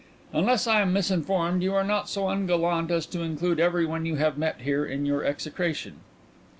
"Unless I am misinformed, you are not so ungallant as to include everyone you have met here in your execration?"